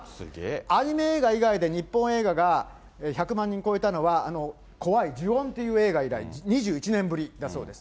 アニメ映画以外で日本映画が１００万人を超えたのは、怖い、呪怨っていう映画以来、２１年ぶりだそうです。